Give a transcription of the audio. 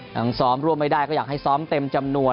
ยังซ้อมร่วมไม่ได้ก็อยากให้ซ้อมเต็มจำนวน